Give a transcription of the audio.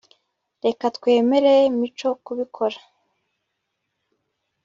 reka twemere mico kubikora